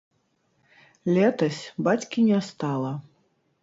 Летась бацькі не стала.